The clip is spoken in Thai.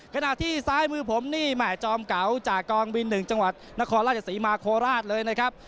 ขณะที่ซ้ายมือผมนี่แห่จอมเก่าจากกองบิน๑จังหวัดนครราชศรีมาโคราชเลยนะครับ